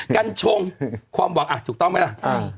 กัญชงความหวังถูกต้องไหมล่ะ